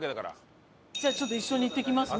じゃあちょっと一緒に行ってきますね。